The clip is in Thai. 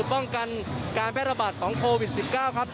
ป้องกันการแพร่ระบาดของโควิด๑๙ครับ